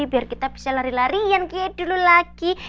biar kita bisa lari larian kayak dulu lagi